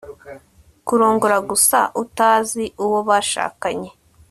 kurongora gusa utazi uwo bashakanye